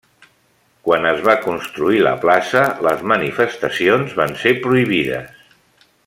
Quan es va construir la plaça, les manifestacions van ser prohibides.